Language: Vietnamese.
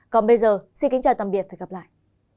còn bây giờ xin kính chào tạm biệt và hẹn gặp lại